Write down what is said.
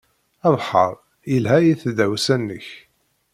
Abeḥḥer yelha i tdawsa-nnek.